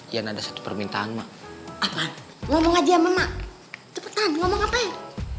yan ada satu permintaan mak apa ngomong aja emak cepetan ngomong apa yang